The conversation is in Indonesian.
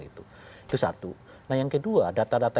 itu satu nah yang kedua data data